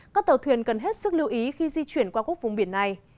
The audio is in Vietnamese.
các tàu thuyền cần hết sức lưu ý khi di chuyển qua quốc vùng biển này